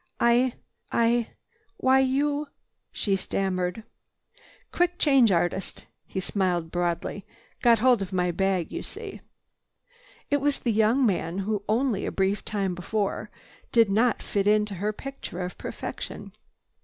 "I—I—why you—" she stammered. "Quick change artist." He smiled broadly. "Got hold of my bag, you see." It was the young man who only a brief time before did not fit into her picture of perfection.